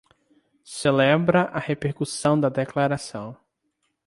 Celebra a repercussão da declaração